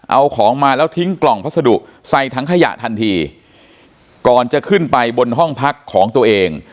เอาของมาแล้วทิ้งกล่องพัสดุใส่ถังขยะทันทีก่อนจะขึ้นไปบนห้องพักของตัวเอง